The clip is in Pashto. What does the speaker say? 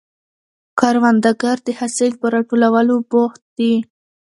کروندګر د حاصل پر راټولولو بوخت دی